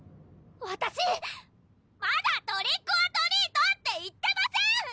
わたしまだ「トリックオアトリート」って言ってません！